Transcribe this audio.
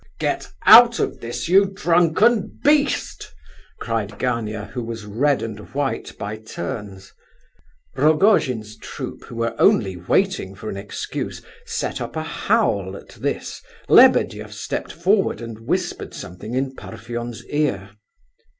"Get out of this, you drunken beast!" cried Gania, who was red and white by turns. Rogojin's troop, who were only waiting for an excuse, set up a howl at this. Lebedeff stepped forward and whispered something in Parfen's ear.